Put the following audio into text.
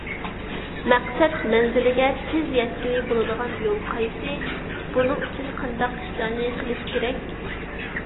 مەقسەت مەنزىلىگە تېز يەتكىلى بولىدىغان يول قايسى، بۇنىڭ ئۈچۈن قانداق ئىشلارنى قىلىش كېرەك؟